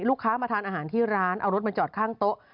ลูกค้ามาทานอาหารที่ร้านเอารถมาจอดข้างโต๊ะ